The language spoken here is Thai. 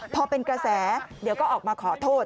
พอเป็นกระแสเดี๋ยวก็ออกมาขอโทษ